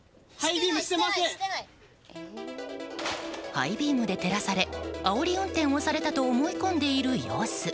ハイビームで照らされあおり運転をされたと思い込んでいる様子。